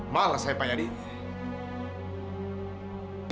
malah saya payah di ini